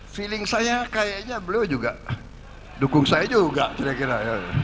feeling saya kayaknya beliau juga dukung saya juga kira kira